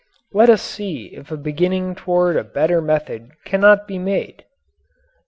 Let us see if a beginning toward a better method cannot be made.